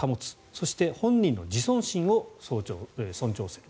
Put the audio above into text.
そして本人の自尊心を尊重する。